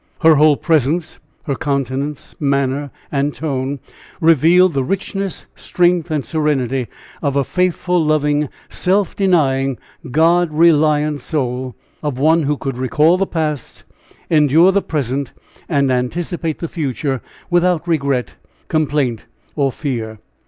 Her whole presence her countenance, manner and tone revealed the richness, strength and serenity of a faithful, loving, self denying, God reliant soul of one who could recall the past, endure the present, and anticipate the future without regret, complaint or fear.